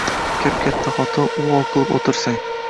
Kap-katta xotin uvol qilib o‘tirsang.